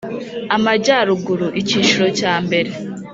Amajyaruguru icyiciro cya mbere